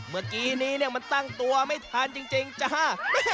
เมื่อกี้นี้เนี่ยมันตั้งตัวไม่ทันจริงจ้า